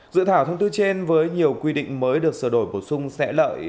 dự thảo thông tư trên với nhiều quy định mới được sửa đổi bổ sung sẽ lợi